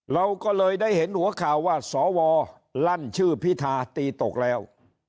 เราก็เลยได้เห็นหัวข่าวว่าสวลั่นชื่อพิธาตีตกแล้ว